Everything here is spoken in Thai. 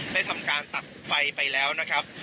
ได้ทำการตัดไฟไปแล้วนะครับ